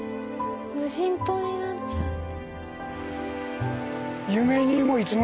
無人島になっちゃった。